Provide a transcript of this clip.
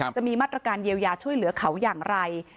จะมีมาตรการเยียวยาช่วยเหลือเขาอย่างไร